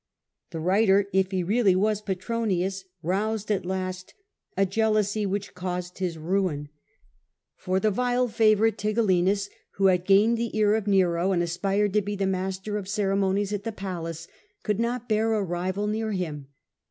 The writer, if he really was Petronius, roused at last a jealousy which caused his ruin; for A.D. 54*^8. Nero, T19 the vile favourite, Tigellinus, who had gained the ear of Nero, and aspired to be the master of cere •,,. 1 excited the monies at the palace, could not bear a rival jeaio isy of near him.